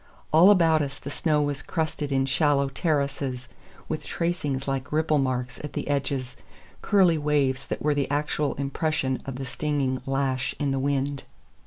All about us the snow was crusted in shallow terraces, with tracings like ripple marks at the edges, curly waves that were the actual impression of the stinging lash in the wind.